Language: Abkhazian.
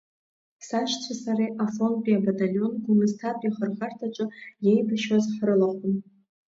Сашьцәеи сареи Афонтәи абаталион Гәымсҭатәи ахырхарҭаҿы иеибашьуаз ҳрылахәын.